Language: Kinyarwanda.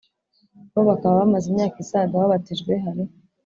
Bo bakaba bamaze imyaka isaga babatijwe hari